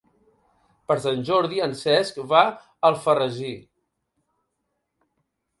Per Sant Jordi en Cesc va a Alfarrasí.